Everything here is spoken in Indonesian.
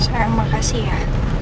sayang makasih ya